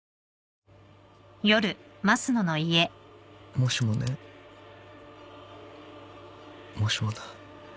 もしもねもしもだ。